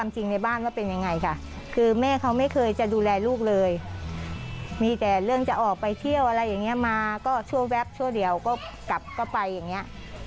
แต่เรื่องจะออกไปเที่ยวอะไรอย่างนี้มาก็ชั่วแว๊บชั่วเดียวก็กลับก็ไปอย่างนี้